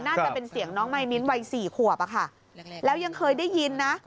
น่าจะเป็นเสียงน้องมายมิ้นท์วัยสี่ขวบอะค่ะแล้วยังเคยได้ยินนะ